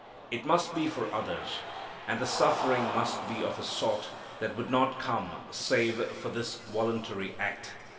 It must be for others. And the suffering must be of a sort that would not come save for this voluntary act.